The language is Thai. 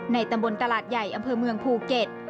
ตำบลตลาดใหญ่อำเภอเมืองภูเก็ต